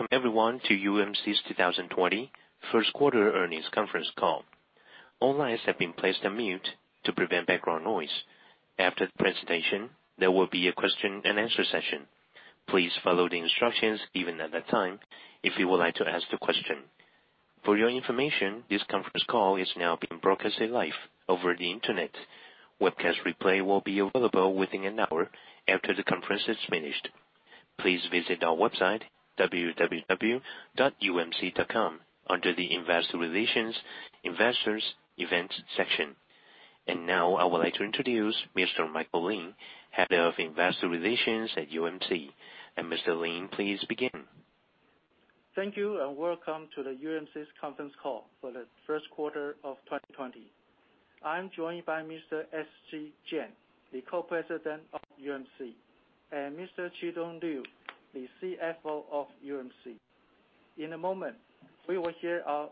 Welcome everyone to UMC's 2020 First Quarter Earnings Conference Call. All lines have been placed on mute to prevent background noise. After the presentation, there will be a question-and-answer session. Please follow the instructions given at that time if you would like to ask a question. For your information, this conference call is now being broadcast live over the Internet. Webcast replay will be available within an hour after the conference has finished. Please visit our website, www.umc.com, under the Investor Relations, Investors, Events section. And now, I would like to introduce Mr. Michael Lin, Head of Investor Relations at UMC. And Mr. Lin, please begin. Thank you and welcome to the UMC's conference call for the first quarter of 2020. I'm joined by Mr. SC Chien, the Co-President of UMC, and Mr. Chitung Liu, the CFO of UMC. In a moment, we will hear our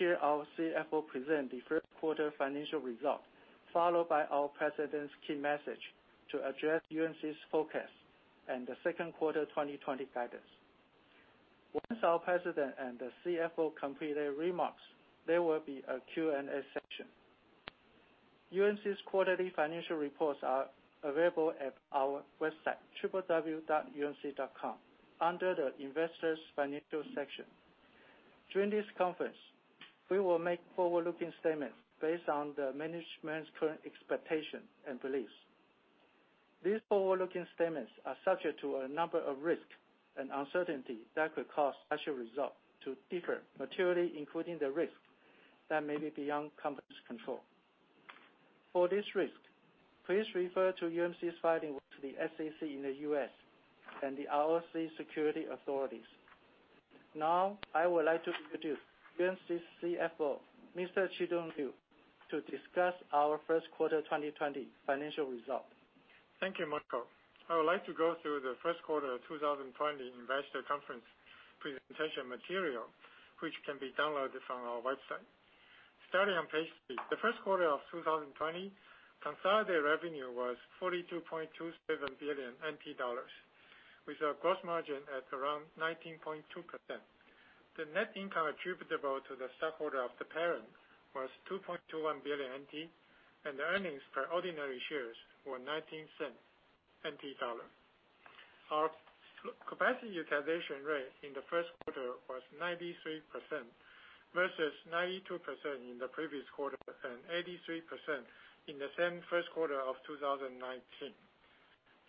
CFO present the first quarter financial result, followed by our President's key message to address UMC's focus and the second quarter 2020 guidance. Once our President and the CFO complete their remarks, there will be a Q&A session. UMC's quarterly financial reports are available at our website, www.umc.com, under the Investors' Financial section. During this conference, we will make forward-looking statements based on the management's current expectations and beliefs. These forward-looking statements are subject to a number of risks and uncertainties that could cause such a result to differ materially, including the risks that may be beyond the company's control. For these risks, please refer to UMC's filing with the SEC in the U.S. and the R.O.C. Securities Authorities. Now, I would like to introduce UMC's CFO, Mr. Chitung Liu, to discuss our first quarter 2020 financial result. Thank you, Michael. I would like to go through the first quarter 2020 Investor Conference presentation material, which can be downloaded from our website. Starting on page three, the first quarter of 2020, consolidated revenue was 42.27 billion NT dollars, with a gross margin at around 19.2%. The net income attributable to the stockholder of the parent was 2.21 billion NT, and the earnings per ordinary shares were 0.19. Our capacity utilization rate in the first quarter was 93% versus 92% in the previous quarter and 83% in the same first quarter of 2019.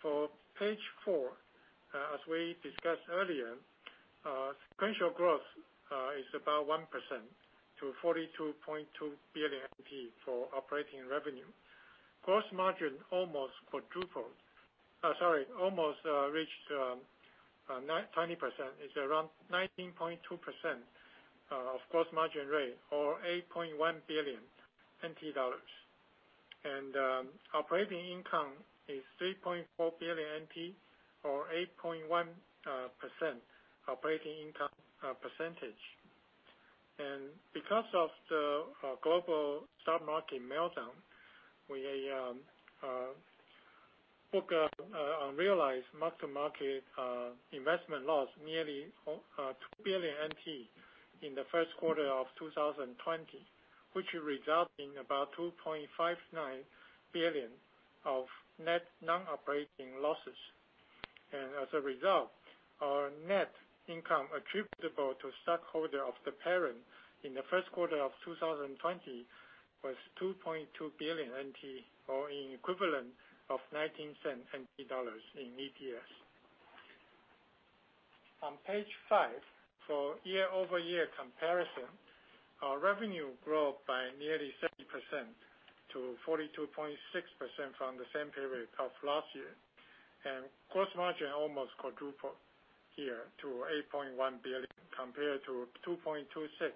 For page four, as we discussed earlier, sequential growth is about 1% to 42.2 billion NT for operating revenue. Gross margin almost quadrupled, sorry, almost reached 20%. It's around 19.2% of gross margin rate or 8.1 billion NT dollars. Operating income is 3.4 billion NT or 8.1% operating income percentage. Because of the global stock market meltdown, we booked unrealized mark-to-market investment loss nearly 2 billion NT in the first quarter of 2020, which resulted in about 2.59 billion of net non-operating losses. As a result, our net income attributable to stockholders of the parent in the first quarter of 2020 was 2.2 billion NT or in equivalent of 0.19 in EPS. On page five, for year-over-year comparison, our revenue grew by nearly 30% to 42.6 billion from the same period of last year. Gross margin almost quadrupled here to 8.1 billion compared to 2.26 billion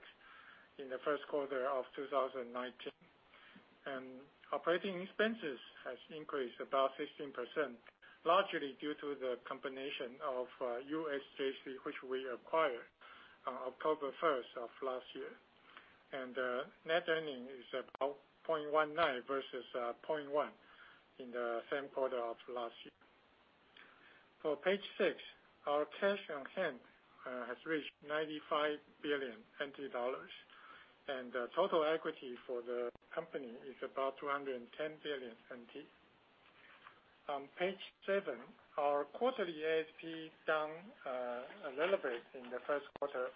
in the first quarter of 2019. Operating expenses have increased about 16%, largely due to the combination of USJC, which we acquired on October 1st of last year. Net earnings is about 0.19 versus 0.1 in the same quarter of last year. For page six, our cash on hand has reached 95 billion NT dollars, and the total equity for the company is about 210 billion NT. On page seven, our quarterly ASP down a little bit in the first quarter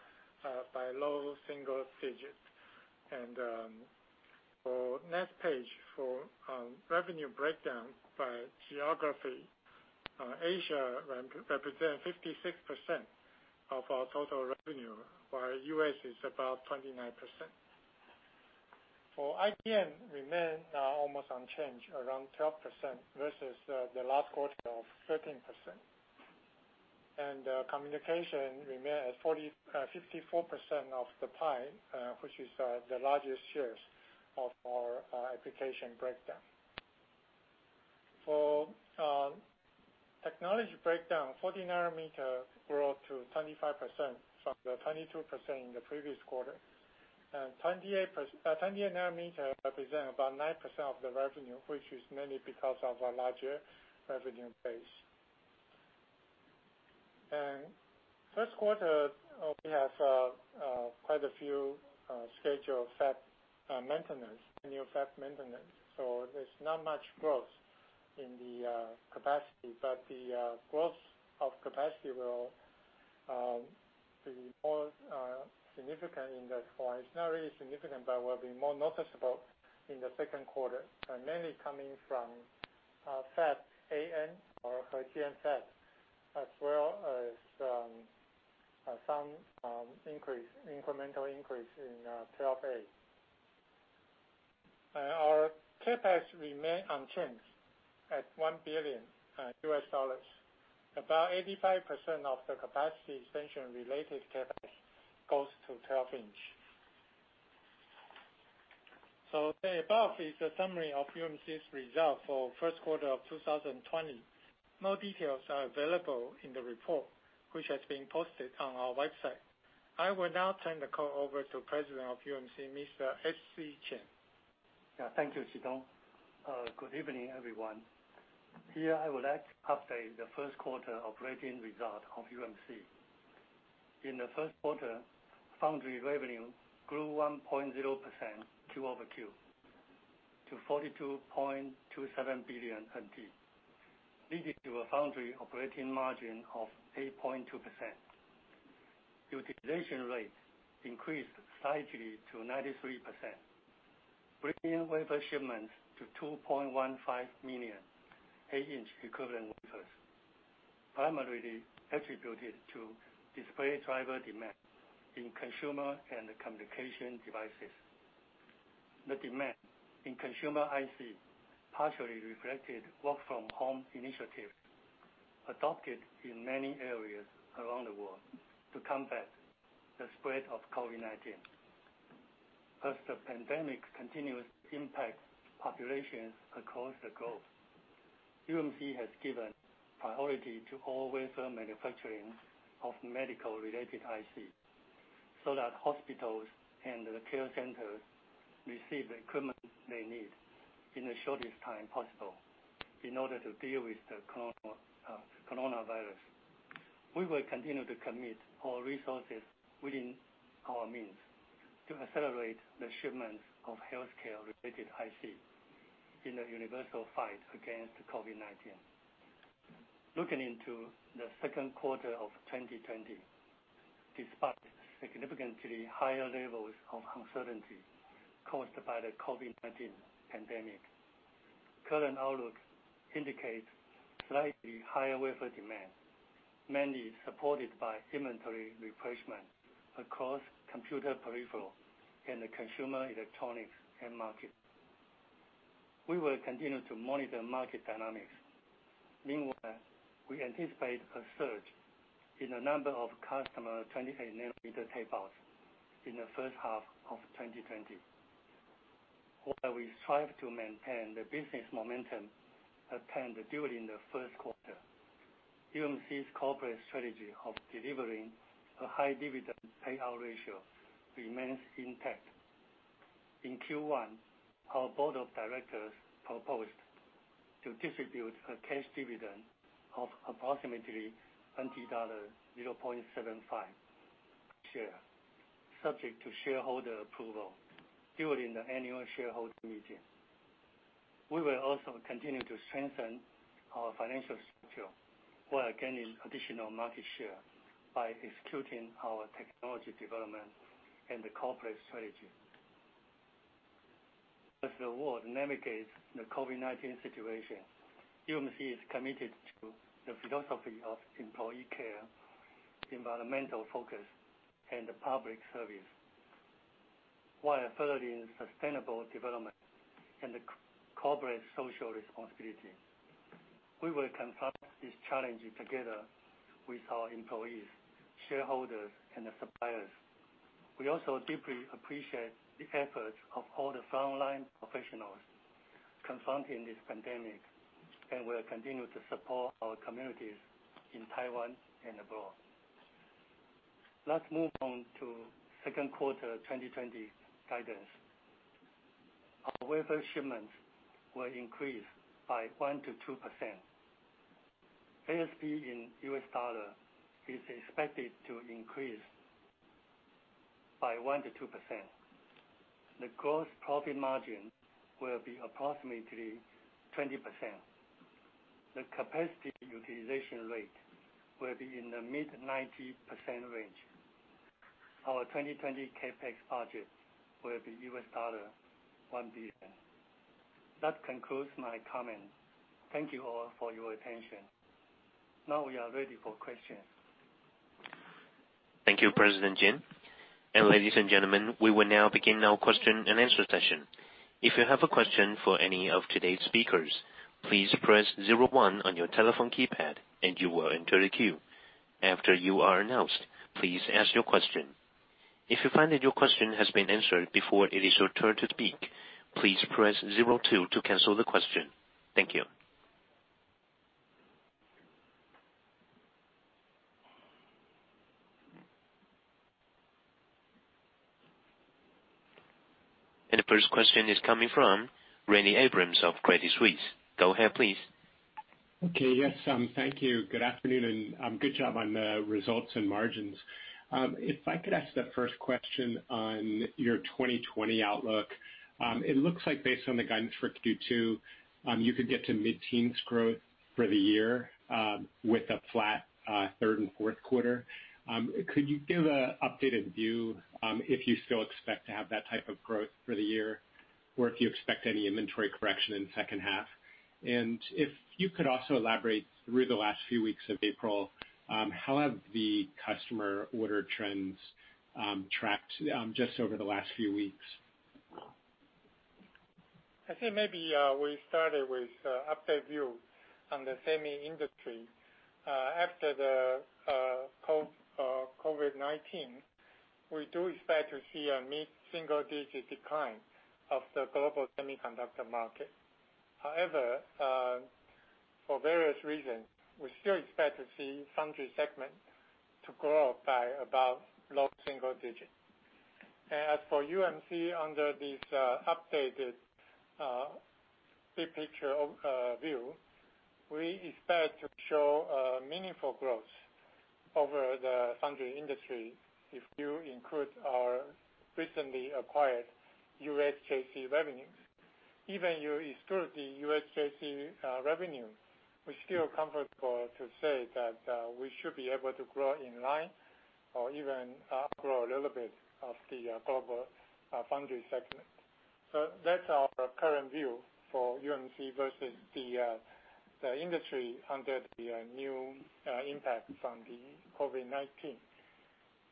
by low single digit, and for next page, for revenue breakdown by geography, Asia represents 56% of our total revenue, while US is about 29%. For IDM, we remain almost unchanged, around 12% versus the last quarter of 13%. And communication remains at 54% of the pie, which is the largest shares of our application breakdown. For technology breakdown, 40nm grew to 25% from the 22% in the previous quarter, and 28nm represents about 9% of the revenue, which is mainly because of a larger revenue base, and first quarter, we have quite a few scheduled fab maintenance, new fab maintenance. So there's not much growth in the capacity, but the growth of capacity will be more significant in the quarter. It's not really significant, but will be more noticeable in the second quarter, mainly coming from Fab 8N or HeJian Fab as well as some increase, incremental increase in Fab 12A. Our CapEx remains unchanged at $1 billion. About 85% of the capacity extension-related CapEx goes to 12H. So the above is a summary of UMC's result for first quarter of 2020. More details are available in the report, which has been posted on our website. I will now turn the call over to President of UMC, Mr. SC Chien. Yeah, thank you, Chitung. Good evening, everyone. Here, I would like to update the first quarter operating result of UMC. In the first quarter, foundry revenue grew 1.0% q-over-q to 42.27 billion NT, leading to a foundry operating margin of 8.2%. Utilization rate increased slightly to 93%, bringing wafer shipments to 2.15 million 8-inch equivalent wafers, primarily attributed to display driver demand in consumer and communication devices. The demand in consumer IC partially reflected work-from-home initiatives adopted in many areas around the world to combat the spread of COVID-19. As the pandemic continues to impact populations across the globe, UMC has given priority to all wafer manufacturing of medical-related IC so that hospitals and the care centers receive the equipment they need in the shortest time possible in order to deal with the coronavirus. We will continue to commit all resources within our means to accelerate the shipments of healthcare-related IC in the universal fight against COVID-19. Looking into the second quarter of 2020, despite significantly higher levels of uncertainty caused by the COVID-19 pandemic, current outlook indicates slightly higher wafer demand, mainly supported by inventory replacement across computer peripheral and the consumer electronics market. We will continue to monitor market dynamics. Meanwhile, we anticipate a surge in the number of customer 28nm tape-out in the first half of 2020. While we strive to maintain the business momentum attained during the first quarter, UMC's corporate strategy of delivering a high dividend payout ratio remains intact. In Q1, our board of directors proposed to distribute a cash dividend of approximately $20.75 per share, subject to shareholder approval during the annual shareholder meeting. We will also continue to strengthen our financial structure while gaining additional market share by executing our technology development and the corporate strategy. As the world navigates the COVID-19 situation, UMC is committed to the philosophy of employee care, environmental focus, and public service, while furthering sustainable development and corporate social responsibility. We will confront these challenges together with our employees, shareholders, and suppliers. We also deeply appreciate the efforts of all the frontline professionals confronting this pandemic, and we will continue to support our communities in Taiwan and abroad. Let's move on to second quarter 2020 guidance. Our wafer shipments will increase by 1%-2%. ASP in US dollar is expected to increase by 1%-2%. The gross profit margin will be approximately 20%. The capacity utilization rate will be in the mid-90% range. Our 2020 CapEx budget will be $1 billion. That concludes my comment. Thank you all for your attention. Now we are ready for questions. Thank you, President Chien, and ladies and gentlemen, we will now begin our question and answer session. If you have a question for any of today's speakers, please press 01 on your telephone keypad, and you will enter a queue. After you are announced, please ask your question. If you find that your question has been answered before it is your turn to speak, please press 02 to cancel the question. Thank you, and the first question is coming from Randy Abrams of Credit Suisse. Go ahead, please. Okay, yes. Thank you. Good afternoon, and good job on the results and margins. If I could ask the first question on your 2020 outlook, it looks like based on the guidance for Q2, you could get to mid-teens growth for the year with a flat third and fourth quarter. Could you give an updated view if you still expect to have that type of growth for the year, or if you expect any inventory correction in the second half? And if you could also elaborate through the last few weeks of April, how have the customer order trends tracked just over the last few weeks? I think maybe we started with an updated view on the semiconductor industry. After the COVID-19, we do expect to see a mid-single-digit decline of the global semiconductor market. However, for various reasons, we still expect to see the foundry segment grow by about low-single-digit. And as for UMC, under this updated big picture view, we expect to show meaningful growth over the foundry industry if you include our recently acquired USJC revenues. Even if you exclude the USJC revenue, we're still comfortable to say that we should be able to grow in line or even outgrow a little bit of the global foundry segment. So that's our current view for UMC versus the industry under the new impact from the COVID-19.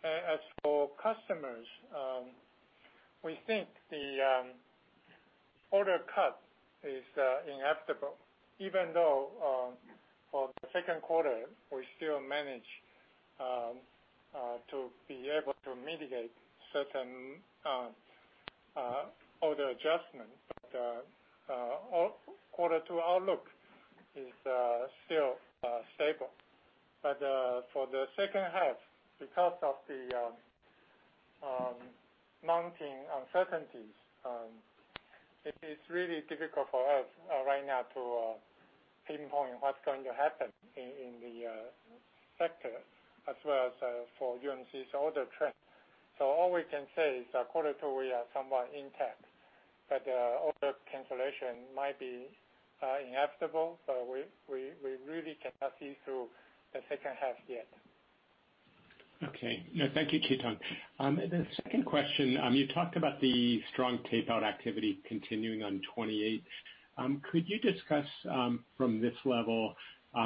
As for customers, we think the order cut is inevitable, even though for the second quarter, we still manage to be able to mitigate certain order adjustments. But quarter two outlook is still stable. But for the second half, because of the mounting uncertainties, it is really difficult for us right now to pinpoint what's going to happen in the sector, as well as for UMC's order trend. So all we can say is that quarter two we are somewhat intact, but order cancellation might be inevitable, but we really cannot see through the second half yet. Okay. No, thank you, Chitung. The second question, you talked about the strong tape-out activity continuing on 28. Could you discuss from this level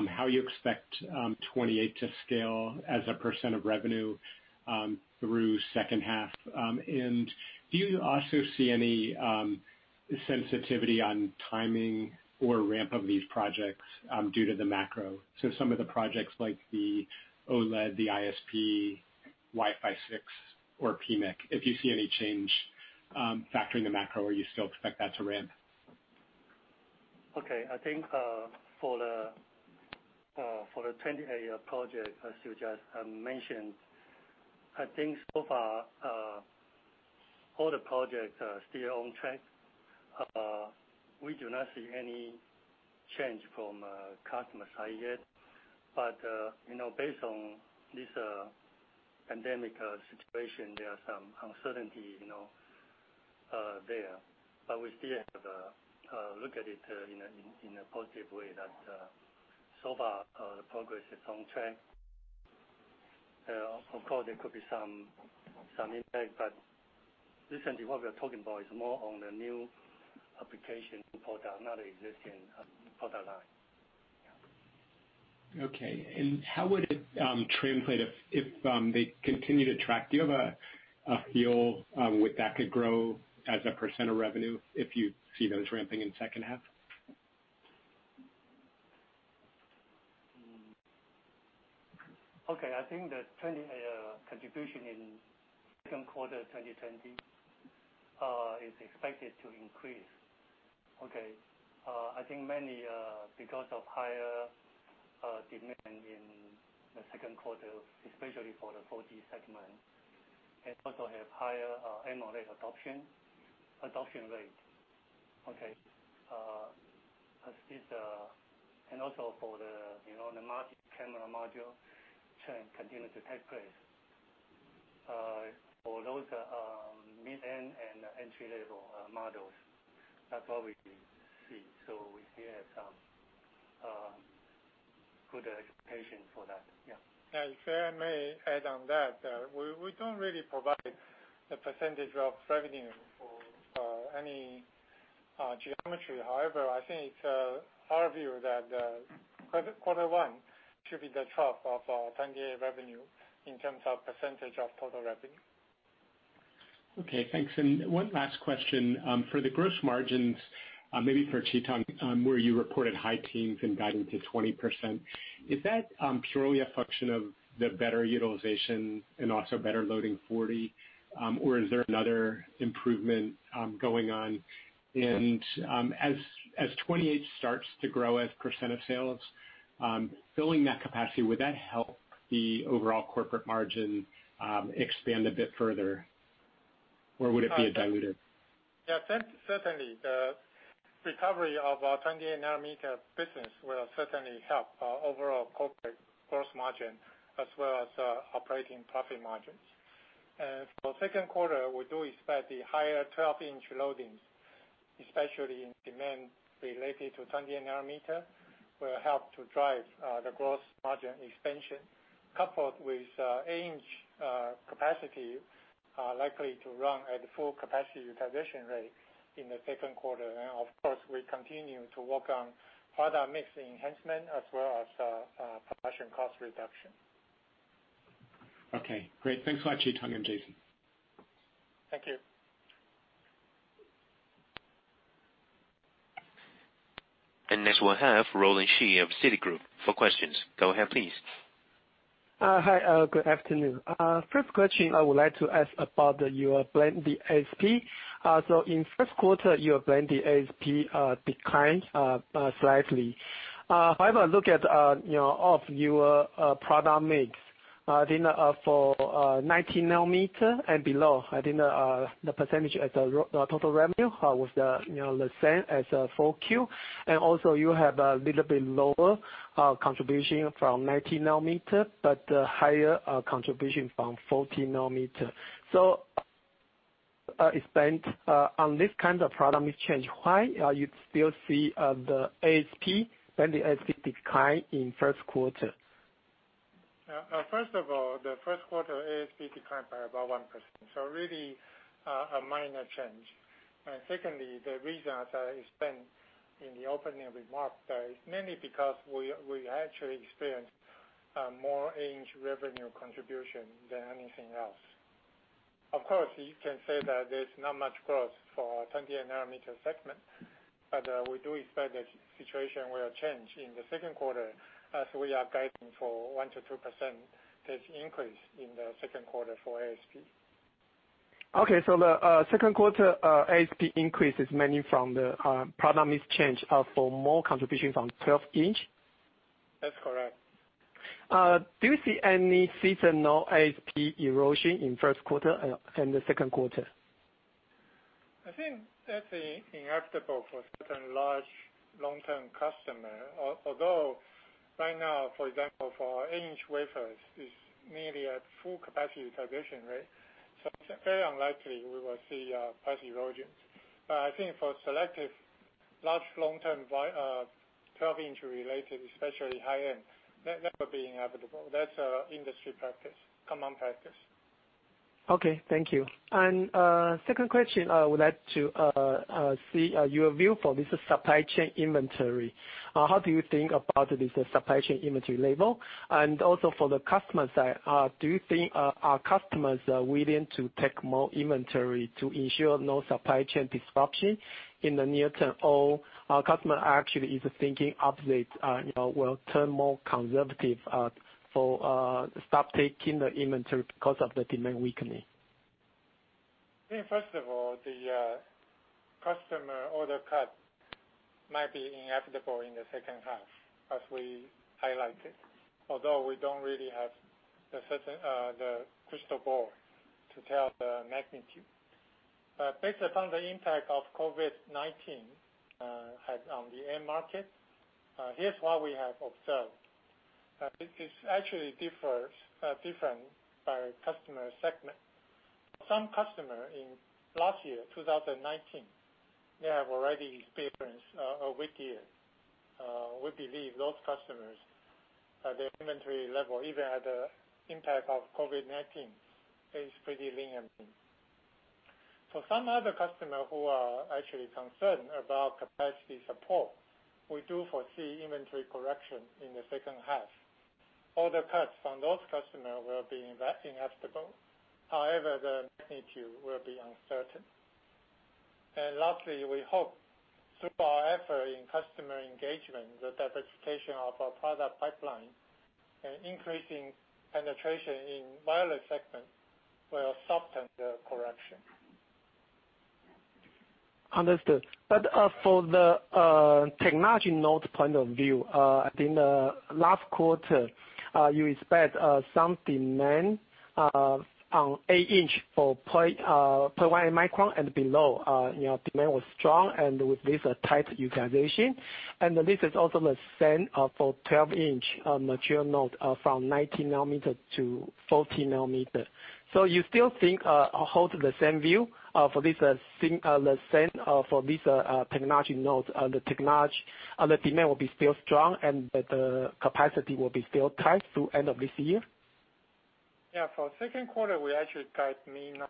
how you expect 28 to scale as a % of revenue through second half? And do you also see any sensitivity on timing or ramp of these projects due to the macro? So some of the projects like the OLED, the ISP, Wi-Fi 6, or PMIC, if you see any change factoring the macro, or you still expect that to ramp? Okay. I think for the 28nm project, as you just mentioned, I think so far all the projects are still on track. We do not see any change from customer side yet. But based on this pandemic situation, there is some uncertainty there. But we still have looked at it in a positive way that so far the progress is on track. Of course, there could be some impact, but recently what we are talking about is more on the new application product, not existing product line. Okay. And how would it translate if they continue to track? Do you have a feel with that could grow as a % of revenue if you see those ramping in the second half? Okay. I think the 28nm contribution in the second quarter of 2020 is expected to increase. Okay. I think mainly because of higher demand in the second quarter, especially for the 4G segment, and also have higher MLA adoption rate. Okay. And also for the market camera module trend continues to take place for those mid-end and entry-level models. That's what we see. So we still have some good expectations for that. Yeah. And if I may add on that, we don't really provide the percentage of revenue for any geometry. However, I think it's our view that quarter one should be the trough of 28nm revenue in terms of percentage of total revenue. Okay. Thanks. And one last question. For the gross margins, maybe for Chitung, where you reported high teens and got into 20%, is that purely a function of the better utilization and also better loading 40, or is there another improvement going on? And as 28 starts to grow as % of sales, filling that capacity, would that help the overall corporate margin expand a bit further, or would it be a dilution? Yeah, certainly. The recovery of our 28nm business will certainly help our overall corporate gross margin as well as operating profit margins. And for second quarter, we do expect the higher 12-inch loadings, especially in demand related to 28nm, will help to drive the gross margin expansion, coupled with 8-inch capacity likely to run at full capacity utilization rate in the second quarter. And of course, we continue to work on product mix enhancement as well as production cost reduction. Okay. Great. Thanks a lot, Chitung and Jason. Thank you. And next we'll have Roland Shu of Citigroup for questions. Go ahead, please. Hi. Good afternoon. First question I would like to ask about your blended ASP. So in first quarter, your blended ASP declined slightly. However, look at all of your product mix. I think for 19nm and below, I think the percentage as a total revenue was the same as 4Q. And also you have a little bit lower contribution from 19nm, but higher contribution from 14nm. So on this kind of product mix change, why you still see the blended ASP decline in first quarter? First of all, the first quarter ASP declined by about 1%. So really a minor change. And secondly, the reason I spent in the opening remark is mainly because we actually experienced more 8-inch revenue contribution than anything else. Of course, you can say that there's not much growth for our 28nm segment, but we do expect that situation will change in the second quarter as we are guiding for 1%-2% increase in the second quarter for ASP. Okay. So the second quarter ASP increase is mainly from the product mix change for more contribution from 12-inch? That's correct. Do you see any seasonal ASP erosion in first quarter and the second quarter? I think that's inevitable for certain large long-term customers. Although right now, for example, for 8-inch wafers, it's nearly at full capacity utilization, right? So it's very unlikely we will see price erosion. But I think for selective large long-term 12-inch related, especially high-end, that will be inevitable. That's industry practice, common practice. Okay. Thank you. And second question, I would like to see your view for this supply chain inventory. How do you think about this supply chain inventory level? And also for the customer side, do you think our customers are willing to take more inventory to ensure no supply chain disruption in the near term? Or our customer actually is thinking update will turn more conservative for stop taking the inventory because of the demand weakening? I think first of all, the customer order cut might be inevitable in the second half, as we highlighted. Although we don't really have the crystal ball to tell the magnitude. But based upon the impact of COVID-19 on the end market, here's what we have observed. It actually differs by customer segment. Some customers in last year, 2019, they have already experienced a weak year. We believe those customers, their inventory level, even at the impact of COVID-19, is pretty lingering. For some other customers who are actually concerned about capacity support, we do foresee inventory correction in the second half. Order cuts from those customers will be inevitable. However, the magnitude will be uncertain. And lastly, we hope through our effort in customer engagement, the diversification of our product pipeline and increasing penetration in wireless segment will soften the correction. Understood. But for the technology node point of view, I think last quarter you expect some demand on 8-inch for 0.18-micron and below. Demand was strong and with this tight utilization. And this is also the same for 12-inch material node from 19nm to 14nm. So you still think hold the same view for this same for this technology node? The demand will be still strong and the capacity will be still tight through end of this year? Yeah. For second quarter, we actually got 90%.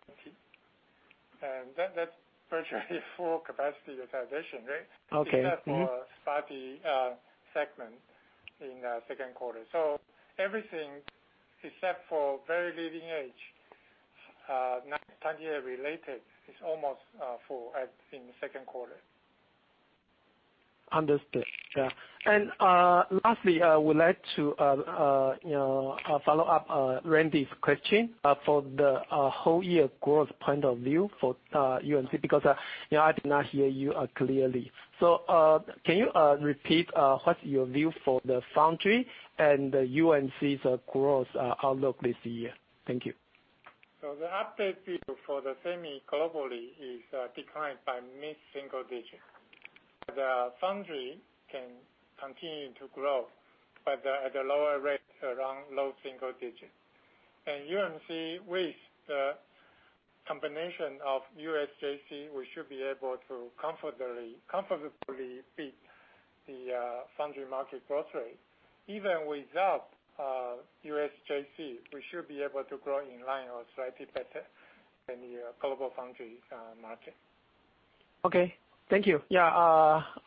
And that's virtually full capacity utilization, right? Okay. Except for spotty segment in the second quarter, so everything except for very leading edge, 28 related, is almost full in the second quarter. Understood. Yeah, and lastly, I would like to follow up Randy's question for the whole year growth point of view for UMC because I did not hear you clearly, so can you repeat what's your view for the foundry and UMC's growth outlook this year? Thank you. The updated view for the semi globally is declined by mid-single digit. The foundry can continue to grow, but at a lower rate, around low single digit. UMC, with the combination of USJC, we should be able to comfortably beat the foundry market growth rate. Even without USJC, we should be able to grow in line or slightly better than the global foundry market. Okay. Thank you. Yeah.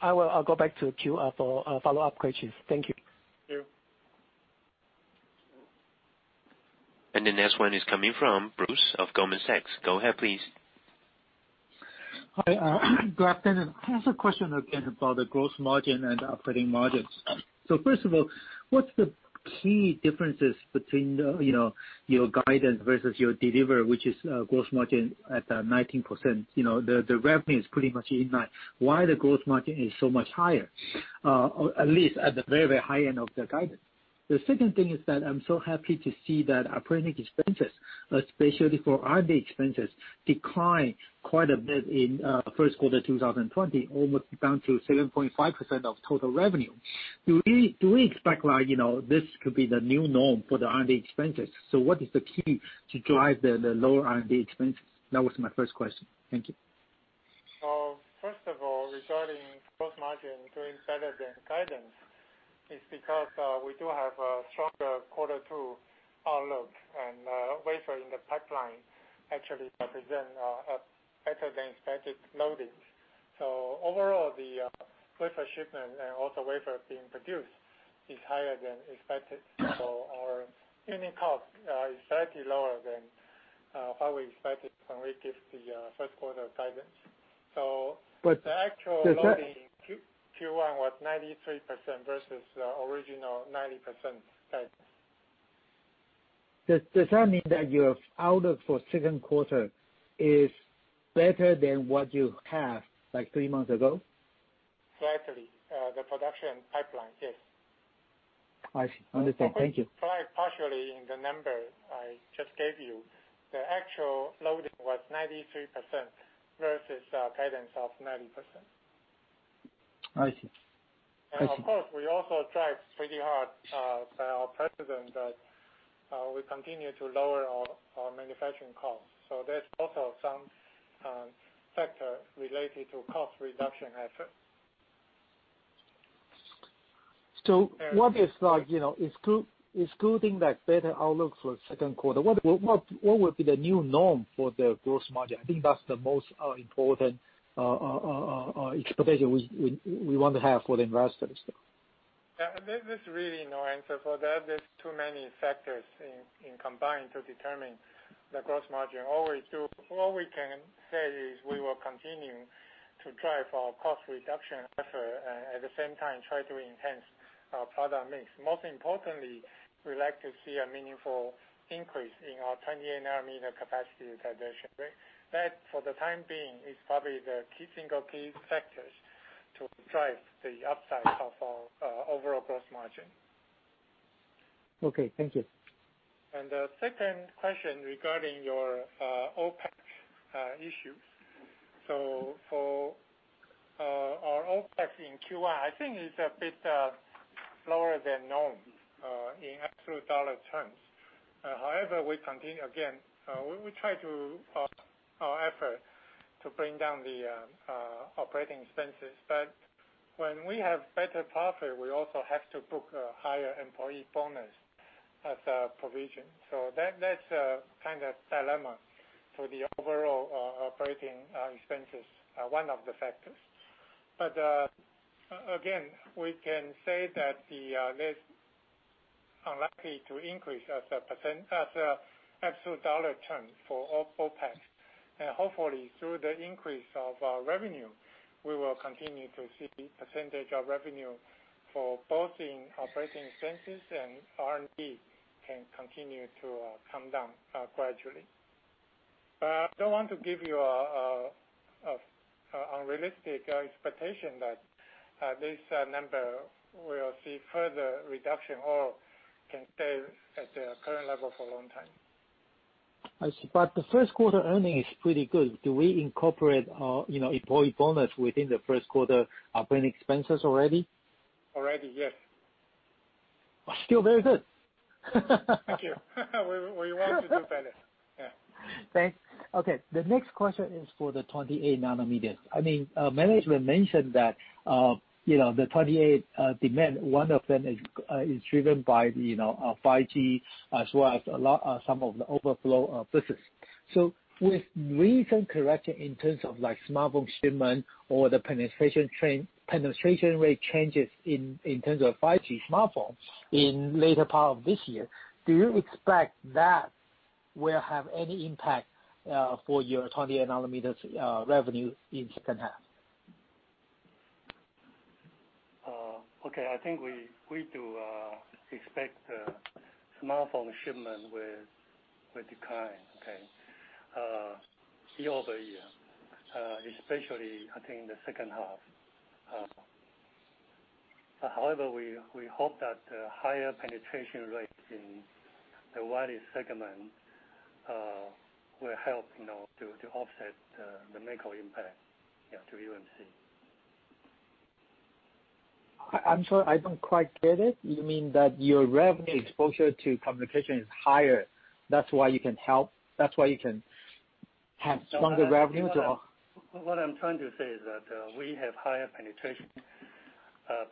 I'll go back to Q for follow-up questions. Thank you. Thank you. And the next one is coming from Bruce of Goldman Sachs. Go ahead, please. Hi. Good afternoon. I have a question again about the gross margin and operating margins. So first of all, what's the key differences between your guidance versus your delivery, which is gross margin at 19%? The revenue is pretty much in line. Why the gross margin is so much higher, at least at the very, very high end of the guidance? The second thing is that I'm so happy to see that operating expenses, especially for R&D expenses, declined quite a bit in first quarter 2020, almost down to 7.5% of total revenue. Do we expect this could be the new norm for the R&D expenses? So what is the key to drive the lower R&D expenses? That was my first question. Thank you. First of all, regarding gross margin doing better than guidance, it's because we do have a stronger quarter two outlook, and wafer in the pipeline actually represents better than expected loading, so overall, the wafer shipment and also wafer being produced is higher than expected, so our unit cost is slightly lower than what we expected when we give the first quarter guidance, so the actual loading Q1 was 93% versus the original 90% guidance. Does that mean that your outlook for second quarter is better than what you have like three months ago? Slightly. The production pipeline, yes. I see. Understood. Thank you. Partially in the number I just gave you. The actual loading was 93% versus guidance of 90%. I see. I see. And of course, we also drive pretty hard by our president that we continue to lower our manufacturing costs. So there's also some factor related to cost reduction effort. So, what is excluding that better outlook for second quarter? What would be the new norm for the gross margin? I think that's the most important expectation we want to have for the investors. Yeah. There's really no answer for that. There's too many factors combined to determine the gross margin. All we can say is we will continue to drive our cost reduction effort and at the same time try to enhance our product mix. Most importantly, we'd like to see a meaningful increase in our 28nm capacity utilization, right? That for the time being is probably the key single key factors to drive the upside of our overall gross margin. Okay. Thank you. And the second question regarding your OpEx issues. So for our OpEx in Q1, I think it's a bit lower than norm in absolute dollar terms. However, we continue again. We try to our effort to bring down the operating expenses. But when we have better profit, we also have to book a higher employee bonus as a provision. So that's kind of dilemma for the overall operating expenses, one of the factors. But again, we can say that it's unlikely to increase as a percent, as an absolute dollar term for OpEx. And hopefully, through the increase of revenue, we will continue to see percentage of revenue for both in operating expenses and R&D can continue to come down gradually. But I don't want to give you an unrealistic expectation that this number will see further reduction or can stay at the current level for a long time. I see, but the first quarter earnings is pretty good. Do we incorporate employee bonus within the first quarter operating expenses already? Already, yes. Still very good. Thank you. We want to do better. Yeah. Thanks. Okay. The next question is for the 28nm. I mean, management mentioned that the 28 demand, one of them is driven by 5G as well as some of the overflow business. So with recent correction in terms of smartphone shipment or the penetration rate changes in terms of 5G smartphone in later part of this year, do you expect that will have any impact for your 28nm revenue in second half? Okay. I think we do expect smartphone shipment will decline, okay, year over year, especially I think in the second half. However, we hope that the higher penetration rate in the wireless segment will help to offset the macro impact to UMC. I'm sorry, I don't quite get it. You mean that your revenue exposure to communication is higher. That's why you can help? That's why you can have stronger revenue too? What I'm trying to say is that we have higher penetration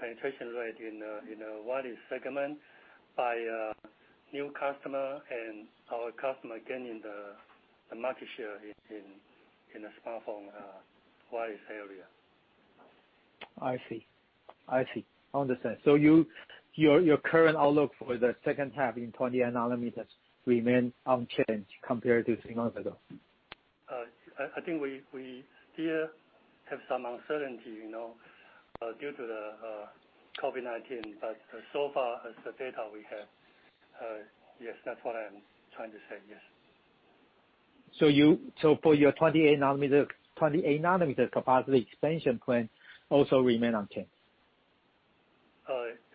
rate in the wireless segment by new customer and our customer gaining the market share in the smartphone wireless area. I see. I see. Understood. So your current outlook for the second half in 28nm remains unchanged compared to three months ago? I think we still have some uncertainty due to the COVID-19. But so far, the data we have, yes, that's what I'm trying to say, yes. So for your 28nm capacity expansion plan, also remain unchanged?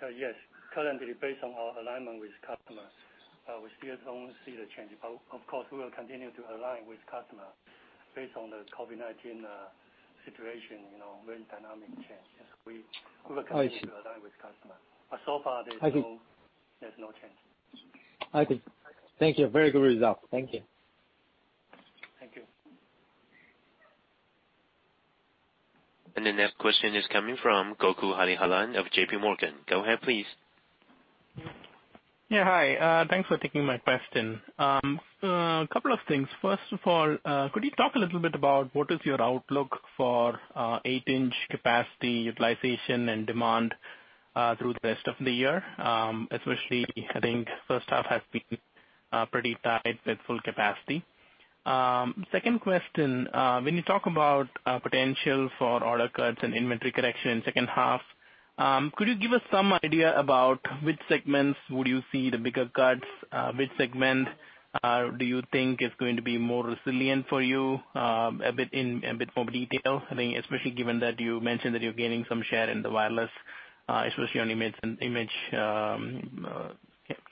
Yes. Currently, based on our alignment with customers, we still don't see the change. But of course, we will continue to align with customers based on the COVID-19 situation, very dynamic change. We will continue to align with customers. But so far, there's no change. I see. Thank you. Very good result. Thank you. Thank you. The next question is coming from Gokul Hariharan of JP Morgan. Go ahead, please. Yeah. Hi. Thanks for taking my question. A couple of things. First of all, could you talk a little bit about what is your outlook for 8-inch capacity utilization and demand through the rest of the year, especially I think first half has been pretty tight with full capacity? Second question, when you talk about potential for order cuts and inventory correction in second half, could you give us some idea about which segments would you see the bigger cuts, which segment do you think is going to be more resilient for you a bit in a bit more detail, especially given that you mentioned that you're gaining some share in the wireless, especially on image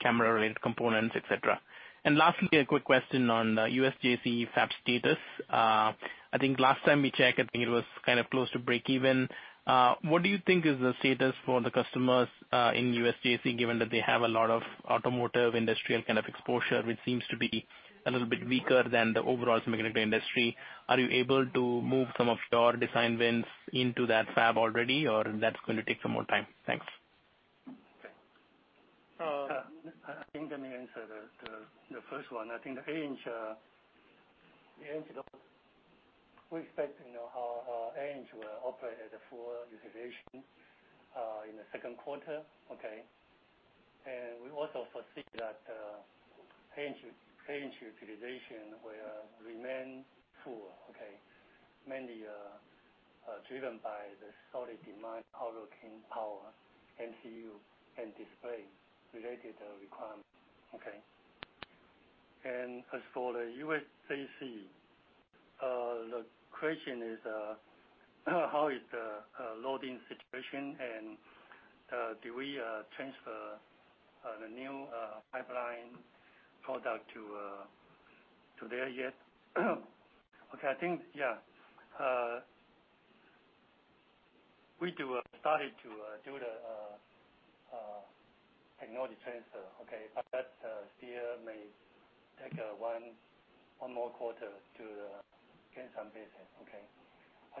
camera-related components, etc.? And lastly, a quick question on USJC fab status. I think last time we checked, I think it was kind of close to breakeven. What do you think is the status for the customers in USJC given that they have a lot of automotive industrial kind of exposure, which seems to be a little bit weaker than the overall semiconductor industry? Are you able to move some of your design wins into that fab already, or that's going to take some more time? Thanks. Okay. I think let me answer the first one. I think the 8-inch, we expect how 8-inch will operate at full utilization in the second quarter, okay? And we also foresee that 8-inch utilization will remain full, okay, mainly driven by the solid demand outlook in power, MCU, and display-related requirements, okay? And as for the USJC, the question is how is the loading situation and do we transfer the new pipeline product to there yet? Okay. I think, yeah, we do started to do the technology transfer, okay, but that still may take one more quarter to gain some business, okay?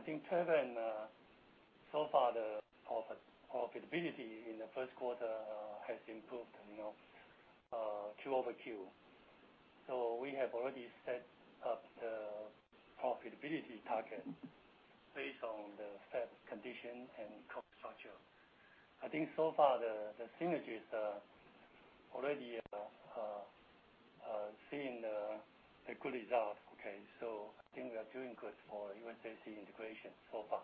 I think so far, the profitability in the first quarter has improved q-over-q. So we have already set up the profitability target based on the fab condition and cost structure. I think so far, the synergies already seeing the good result, okay? So I think we are doing good for USJC integration so far.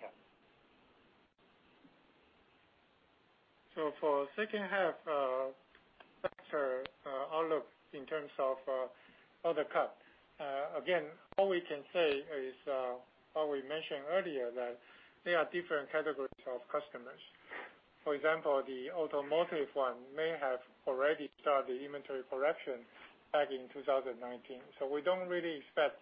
Yeah. So for second half wafer outlook in terms of order cut, again, all we can say is what we mentioned earlier, that there are different categories of customers. For example, the automotive one may have already started the inventory correction back in 2019. So we don't really expect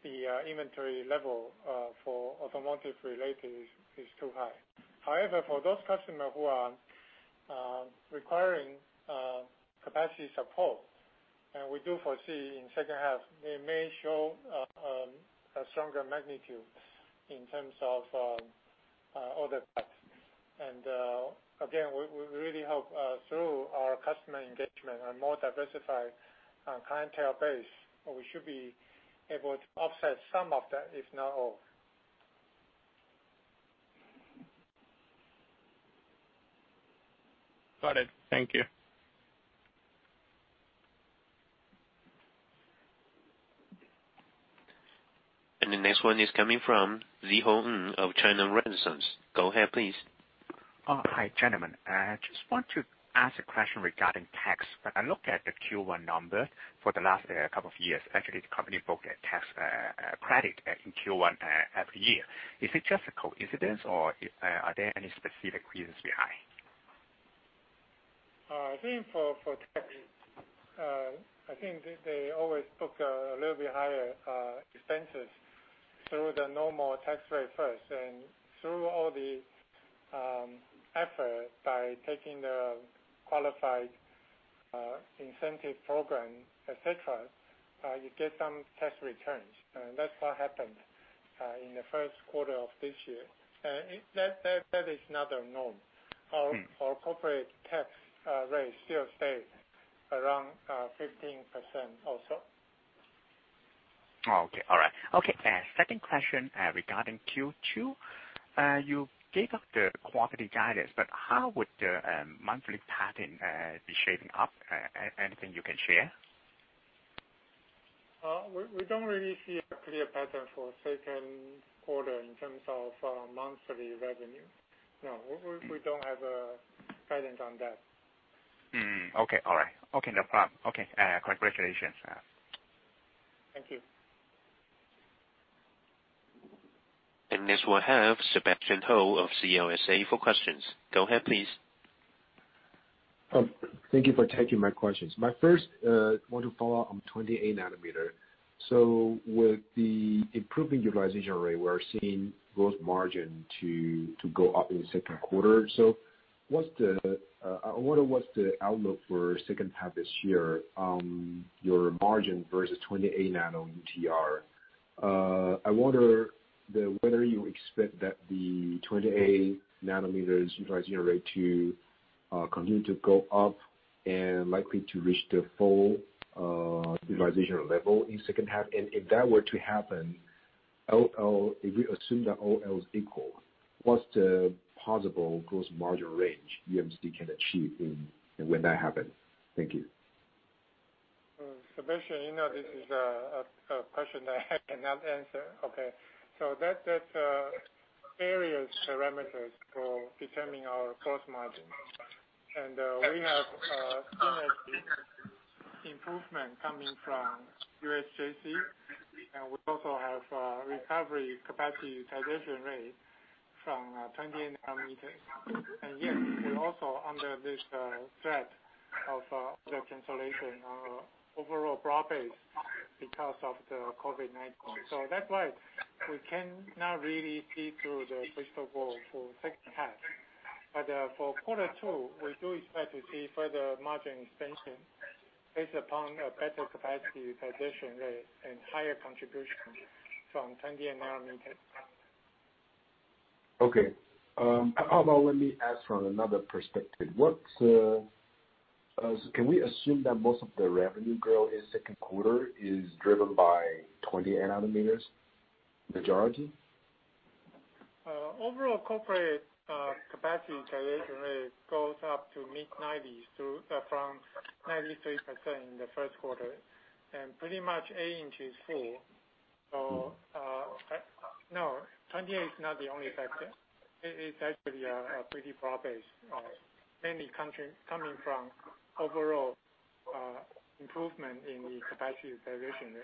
the inventory level for automotive-related is too high. However, for those customers who are requiring capacity support, and we do foresee in second half, they may show a stronger magnitude in terms of order cut. And again, we really hope through our customer engagement and more diversified clientele base, we should be able to offset some of that, if not all. Got it. Thank you. The next one is coming from Szeho Ng of China Renaissance. Go ahead, please. Hi, gentlemen. I just want to ask a question regarding tax. When I look at the Q1 numbers for the last couple of years, actually, the company booked a tax credit in Q1 every year. Is it just a coincidence, or are there any specific reasons behind? I think for tax, I think they always book a little bit higher expenses through the normal tax rate first. And through all the effort by taking the qualified incentive program, etc., you get some tax returns. And that's what happened in the first quarter of this year. And that is not unknown. Our corporate tax rate still stayed around 15% or so. Okay. All right. Okay. Second question regarding Q2. You gave us the quantity guidance, but how would the monthly pattern be shaping up? Anything you can share? We don't really see a clear pattern for second quarter in terms of monthly revenue. No. We don't have a guidance on that. Okay. All right. No problem. Congratulations. Thank you. Next we'll have Sebastian Hou of CLSA for questions. Go ahead, please. Thank you for taking my questions. My first want to follow up on 28nm. So with the improving utilization rate, we're seeing gross margin to go up in the second quarter. So I wonder what's the outlook for second half this year on your margin versus 28nm UTR? I wonder whether you expect that the 28nm utilization rate to continue to go up and likely to reach the full utilization level in second half? And if that were to happen, if we assume that all else equal, what's the possible gross margin range UMC can achieve when that happens? Thank you. Sebastian, you know this is a question that I cannot answer, okay? So, that's various parameters for determining our gross margin. And we have synergy improvement coming from USJC, and we also have recovery capacity utilization rate from 28nm. And yet, we also under this threat of order cancellation on our overall broad base because of the COVID-19. So that's why we cannot really see through the fiscal goal for second half. But for quarter two, we do expect to see further margin expansion based upon a better capacity utilization rate and higher contribution from 28nm. Okay. How about let me ask from another perspective? Can we assume that most of the revenue growth in second quarter is driven by 28nm majority? Overall corporate capacity utilization rate goes up to mid-90s from 93% in the first quarter, and pretty much 8-inch is full, so no, 28 is not the only factor. It's actually a pretty broad base, mainly coming from overall improvement in the capacity utilization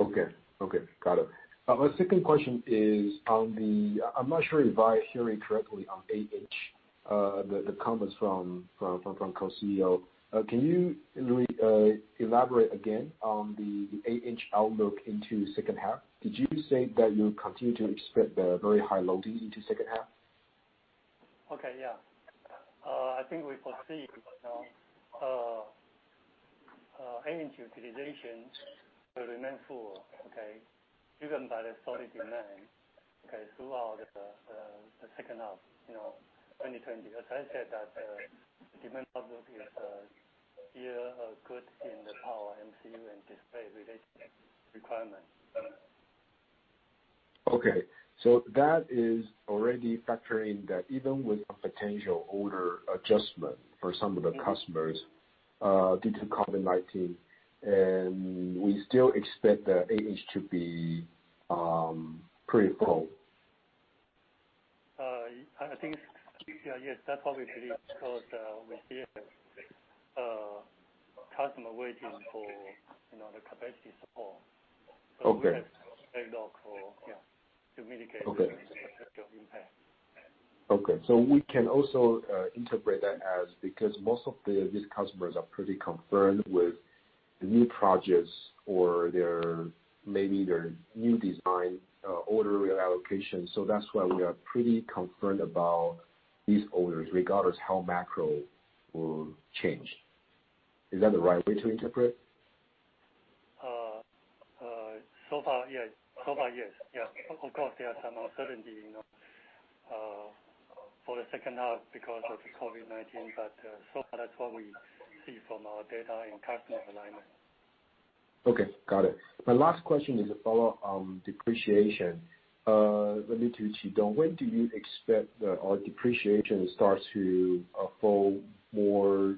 rate. Okay. Okay. Got it. My second question is on the, I'm not sure if I hear it correctly on 8-inch. The comments from co-CEO. Can you elaborate again on the 8-inch outlook into second half? Did you say that you continue to expect the very high loading into second half? Okay. Yeah, I think we foresee 8-inch utilization will remain full, okay, driven by the solid demand, okay, throughout the second half, 2020. As I said, that demand outlook is still good in the power, MCU, and display-related requirements. Okay. So that is already factoring that even with a potential order adjustment for some of the customers due to COVID-19, and we still expect the 8-inch to be pretty full? I think, yeah, yes, that's what we believe because we see customer waiting for the capacity support. So we have a log for, yeah, to mitigate the potential impact. Okay. So we can also interpret that as because most of these customers are pretty confirmed with new projects or maybe their new design order allocation. So that's why we are pretty confirmed about these orders, regardless how macro will change. Is that the right way to interpret? So far, yes. So far, yes. Yeah. Of course, there are some uncertainty for the second half because of the COVID-19, but so far, that's what we see from our data and customer alignment. Okay. Got it. My last question is a follow-up on depreciation. Let me do Chitung. When do you expect our depreciation starts to fall more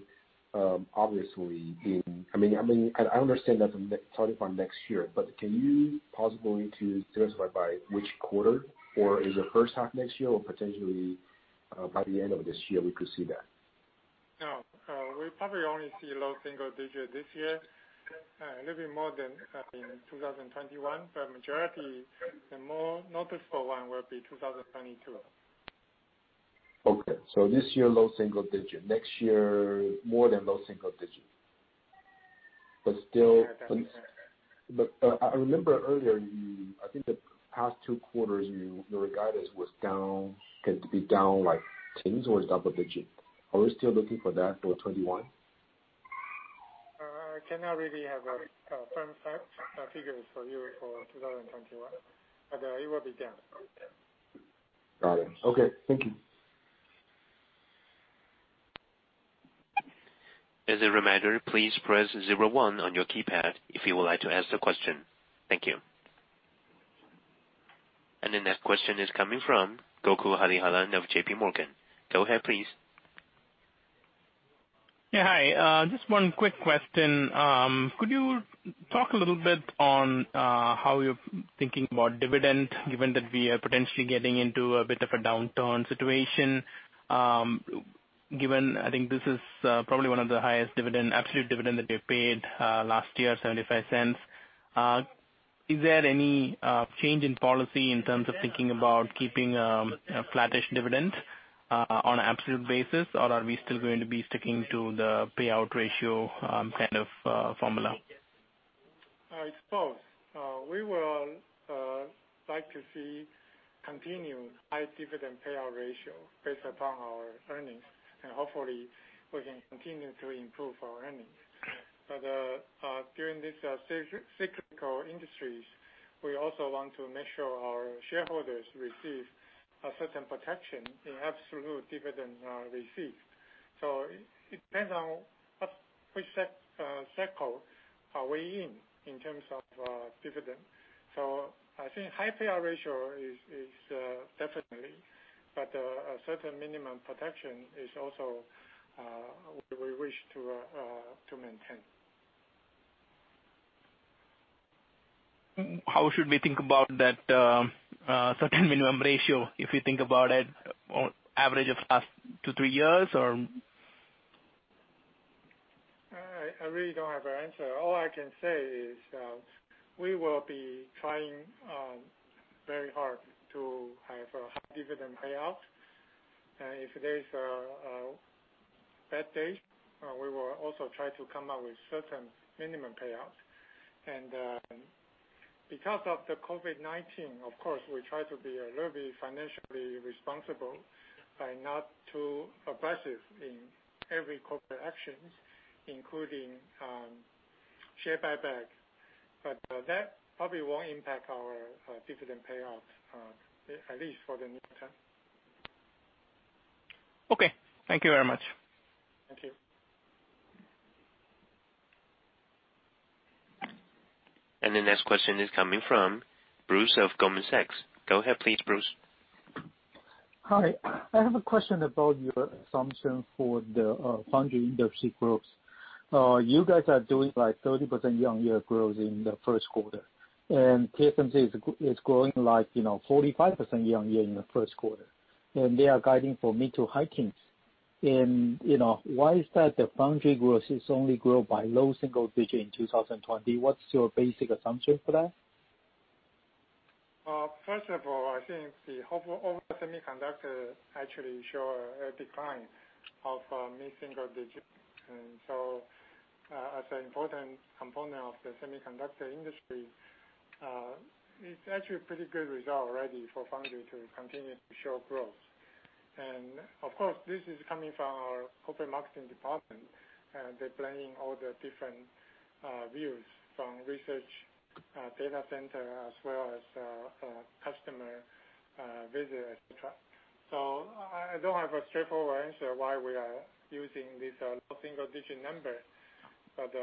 obviously in? I mean, I understand that's starting from next year, but can you possibly specify by which quarter, or is it first half next year, or potentially by the end of this year we could see that? No. We probably only see low single digit this year, a little bit more than in 2021. But majority, the more noticeable one will be 2022. Okay, so this year, low single digit. Next year, more than low single digit, but still. Yeah. That's right. But I remember earlier, I think the past two quarters, your guidance was down, could be down like 10 or double digit. Are we still looking for that for 2021? I cannot really have a firm figure for you for 2021, but it will be down. Got it. Okay. Thank you. As a reminder, please press 01 on your keypad if you would like to ask the question. Thank you. The next question is coming from Gokul Hariharan of JPMorgan. Go ahead, please. Yeah. Hi. Just one quick question. Could you talk a little bit on how you're thinking about dividend, given that we are potentially getting into a bit of a downturn situation? Given I think this is probably one of the highest absolute dividend that we paid last year, $0.75. Is there any change in policy in terms of thinking about keeping a flattish dividend on an absolute basis, or are we still going to be sticking to the payout ratio kind of formula? I suppose. We would like to see continued high dividend payout ratio based upon our earnings. And hopefully, we can continue to improve our earnings. But during these cyclical industries, we also want to make sure our shareholders receive a certain protection in absolute dividend receipt. So it depends on which cycle are we in in terms of dividend. So I think high payout ratio is definitely, but a certain minimum protection is also what we wish to maintain. How should we think about that certain minimum ratio if we think about it on average of last two or three years, or? I really don't have an answer. All I can say is we will be trying very hard to have a high dividend payout, and if there's a bad day, we will also try to come up with certain minimum payouts, and because of the COVID-19, of course, we try to be a little bit financially responsible by not too aggressive in every corporate action, including share buyback, but that probably won't impact our dividend payouts, at least for the near term. Okay. Thank you very much. Thank you. The next question is coming from Bruce of Goldman Sachs. Go ahead, please, Bruce. Hi. I have a question about your assumption for the foundry industry growth. You guys are doing like 30% year-on-year growth in the first quarter. And TSMC is growing like 45% year-on-year in the first quarter. And they are guiding for mid to high teens. And why is that the foundry growth is only grow by low single digit in 2020? What's your basic assumption for that? First of all, I think the overall semiconductor actually shows a decline of mid-single-digit. So as an important component of the semiconductor industry, it's actually a pretty good result already for foundry to continue to show growth. And of course, this is coming from our corporate marketing department. They're weighing all the different views from research, data center, as well as customer visit, etc. So I don't have a straightforward answer why we are using this low-single-digit number. But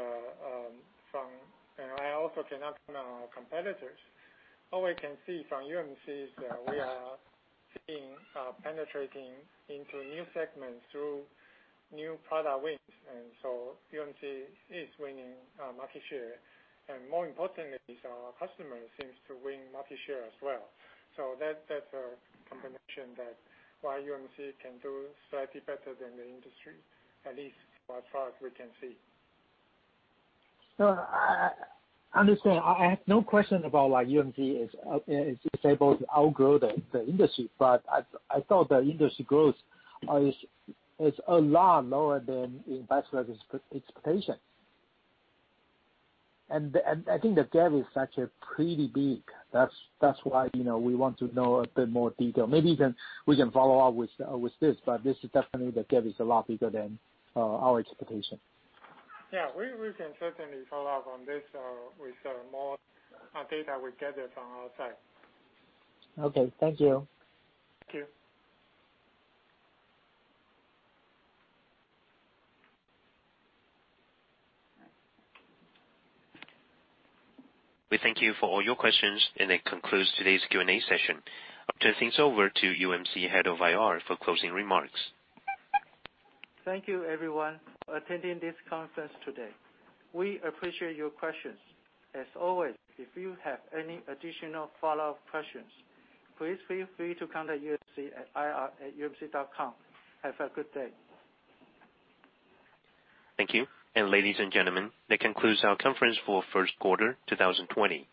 I also cannot comment on our competitors. All we can see from UMC is we are seeing penetrating into new segments through new product wins. And so UMC is winning market share. And more importantly, our customer seems to win market share as well. So that's a combination. That's why UMC can do slightly better than the industry, at least as far as we can see. So I understand. I have no question about why UMC is able to outgrow the industry, but I thought the industry growth is a lot lower than investors' expectation. And I think the gap is actually pretty big. That's why we want to know a bit more detail. Maybe we can follow up with this, but this is definitely the gap is a lot bigger than our expectation. Yeah. We can certainly follow up on this with more data we gather from our side. Okay. Thank you. Thank you. We thank you for all your questions, and it concludes today's Q&A session. I'll turn things over to UMC Head of IR for closing remarks. Thank you, everyone, for attending this conference today. We appreciate your questions. As always, if you have any additional follow-up questions, please feel free to contact UMC at ira@umc.com. Have a good day. Thank you. And ladies and gentlemen, that concludes our conference for first quarter 2020.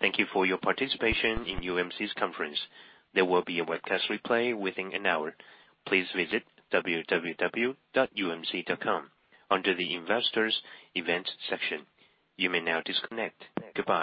Thank you for your participation in UMC's conference. There will be a webcast replay within an hour. Please visit www.umc.com under the Investors Events section. You may now disconnect. Goodbye.